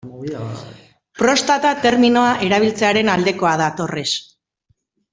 Prostata terminoa erabiltzearen aldekoa da Torres.